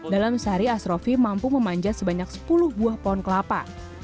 dalam sehari asrofi mampu memanjat sebanyak sepuluh buah pohon kelapa